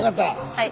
はい。